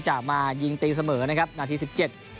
จะมายิงตีเสมอนะครับนาทีสิบเจ็ด